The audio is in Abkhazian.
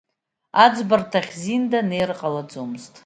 Аӡбарҭахь зинда анеира ҟалаӡомызт.